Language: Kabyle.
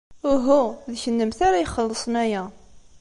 Uhu, d kennemti ara ixellṣen aya.